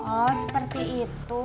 oh seperti itu